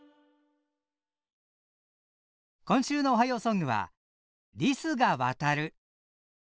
今週の「おはようソング」は「リスがわたる」。